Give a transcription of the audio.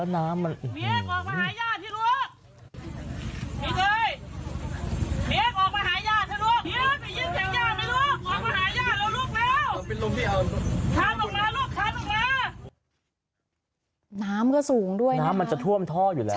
น้ำก็สูงด้วยนะน้ำมันจะท่วมท่ออยู่แล้ว